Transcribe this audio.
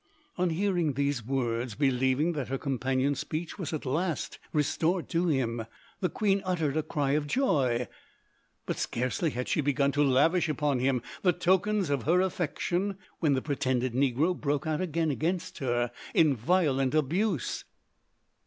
On hearing those words, believing that her companion's speech was at last restored to him, the queen uttered a cry of joy! But scarcely had she begun to lavish upon him the tokens of her affection when the pretended negro broke out against her in violent abuse.